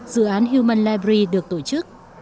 dự án human library được tổ chức